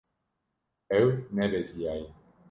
Ew nebeziyaye.